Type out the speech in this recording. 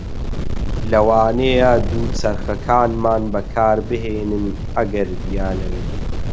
لەوانەیە دووچەرخەکانمان بەکاربهێنن ئەگەر بیانەوێت.